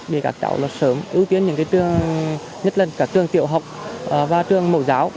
để các cháu sớm ưu tiên những cái trường nhất là các trường tiểu học và trường mẫu giáo